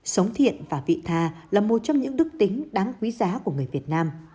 sống thiện và vị tha là một trong những đức tính đáng quý giá của người việt nam